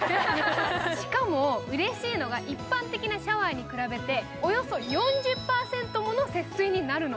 しかも、うれしいのが一般的なシャワーに比べておよそ４０％もの節水になるの。